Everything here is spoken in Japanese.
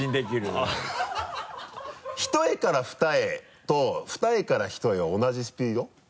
一重から二重と二重から一重は同じスピード？